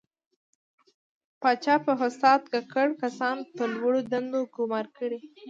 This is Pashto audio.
پاچا په فساد ککړ کسان په لوړو دندو ګماري.